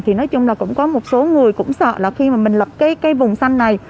thì nói chung là cũng có một số người cũng sợ là khi mà mình lập cái vùng xanh này